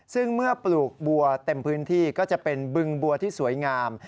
ซึ่งเมื่อปลูกบัวเต็มพื้นที่ก็จะเป็นบึงบัวที่สวยงาม